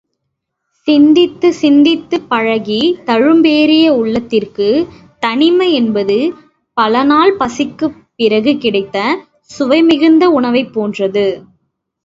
சிந்தித்துச் சிந்தித்துப் பழகித் தழும்பேறிய உள்ளத்திற்குத் தனிமை என்பது பலநாள் பசிக்குப் பிறகு கிடைத்த சுவைமிகுந்த உணவைப் போன்றது.